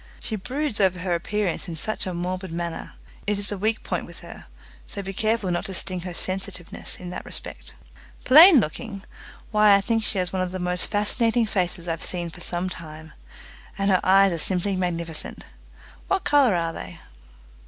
She broods over her appearance in such a morbid manner. It is a weak point with her, so be careful not to sting her sensitiveness in that respect." "Plain looking! Why, I think she has one of the most fascinating faces I've seen for some time, and her eyes are simply magnificent. What colour are they?"